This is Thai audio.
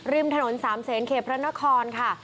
ริมถนน๓เซนเขพพระนครค่ะ